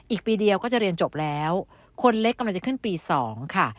อีกปีเดียวก็จะเรียนจบแล้วคนเล็กกำลังจะขึ้นปี๒ค่ะ